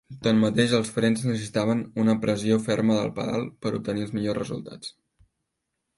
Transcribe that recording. Tanmateix, els frens necessitaven "una pressió ferma del pedal ... per obtenir els millors resultats".